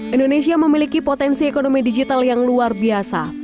indonesia memiliki potensi ekonomi digital yang luar biasa